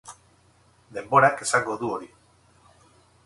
Denborak esango du hori.